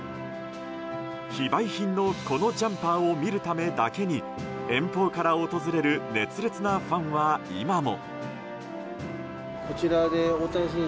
非売品のこのジャンパーを見るためだけに遠方から訪れる熱烈なファンは今も。